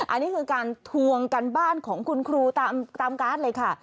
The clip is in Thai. อันนี้คือการทวงการบ้านของคุณครูตามการ์ดเลยค่ะ